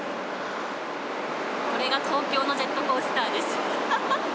これが東京のジェットコースターです。